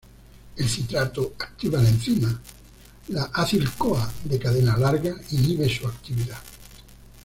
El citrato activa la enzima; la acil-CoA de cadena larga inhibe su actividad.